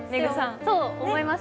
そう、思います。